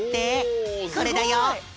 これだよ！